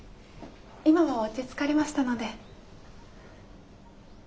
今は落ち着かれましたので。